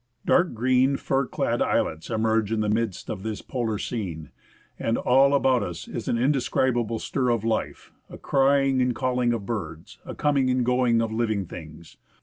Dark green fir clad islets emerge in the midst of this polar scene, and all about us is an indescribable stir of life, a crying and 25 THE ASCENT OF MOUNT ST. ELIAS calling of birds, a coming and going of living things.